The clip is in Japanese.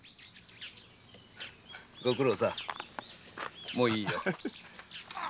ご苦労さんもういいよ。